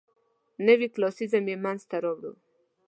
نوي کلاسیکیزم یې منځ ته راوړ.